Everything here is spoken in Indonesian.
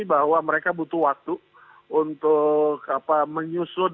bahwa mereka butuh waktu untuk menyusut